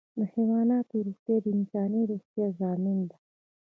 د حیواناتو روغتیا د انساني روغتیا ضامن ده.